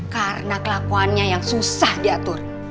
karena kelakuannya yang susah diatur